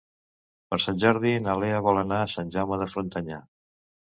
Per Sant Jordi na Lea vol anar a Sant Jaume de Frontanyà.